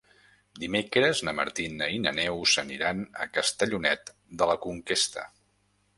Dimecres na Martina i na Neus aniran a Castellonet de la Conquesta.